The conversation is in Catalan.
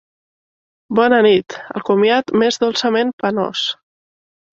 Bona nit! El comiat m'és dolçament penós...